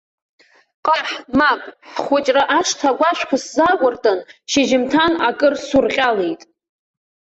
Ҟаҳ, мап, ҳхәыҷра ашҭа агәашәқәа сзаауртын, шьыжьымҭан акыр сурҟьалеит.